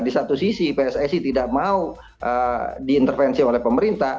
di satu sisi pssi tidak mau diintervensi oleh pemerintah